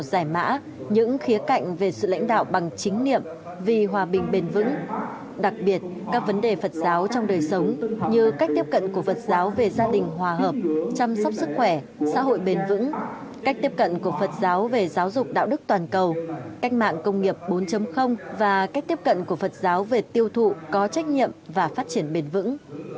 phật giáo giải mã những khía cạnh về sự lãnh đạo bằng chính niệm vì hòa bình bền vững đặc biệt các vấn đề phật giáo trong đời sống như cách tiếp cận của phật giáo về gia đình hòa hợp chăm sóc sức khỏe xã hội bền vững cách tiếp cận của phật giáo về giáo dục đạo đức toàn cầu cách mạng công nghiệp bốn và cách tiếp cận của phật giáo về tiêu thụ có trách nhiệm và phát triển bền vững